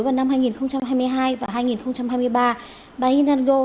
vào năm hai nghìn hai mươi hai và hai nghìn hai mươi ba bà annine dango